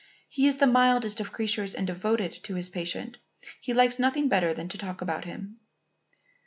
He is the mildest of creatures and devoted to his patient. He likes nothing better than to talk about him."